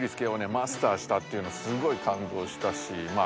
マスターしたっていうのすごい感動したしまあ